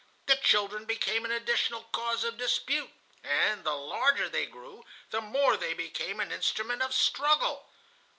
The children became an additional cause of dispute, and the larger they grew, the more they became an instrument of struggle.